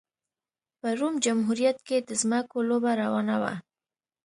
په روم جمهوریت کې د ځمکو لوبه روانه وه